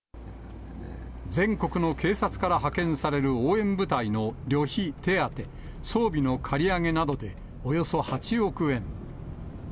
全国の警察から派遣される応援部隊の旅費、手当、装備の借り上げなどで、およそ８億円。